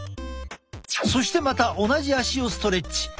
そしてまた同じ足をストレッチ。